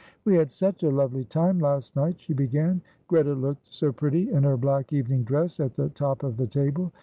"We had such a lovely time last night," she began. "Greta looked so pretty in her black evening dress at the top of the table.